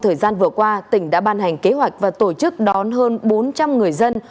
thời gian vừa qua tỉnh đã ban hành kế hoạch và tổ chức đón hơn bốn trăm linh người dân